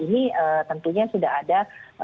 ini tentunya sudah ada